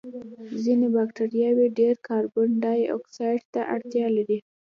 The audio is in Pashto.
ځینې بکټریاوې ډېر کاربن دای اکسایډ ته اړتیا لري.